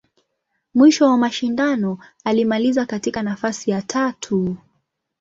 Mwisho wa mashindano, alimaliza katika nafasi ya tatu.